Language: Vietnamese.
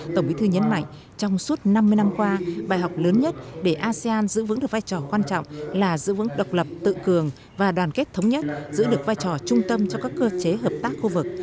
tổng bí thư nhấn mạnh trong suốt năm mươi năm qua bài học lớn nhất để asean giữ vững được vai trò quan trọng là giữ vững độc lập tự cường và đoàn kết thống nhất giữ được vai trò trung tâm cho các cơ chế hợp tác khu vực